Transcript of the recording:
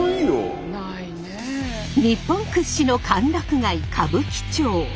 日本屈指の歓楽街歌舞伎町。